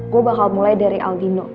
gue bakal mulai dari albino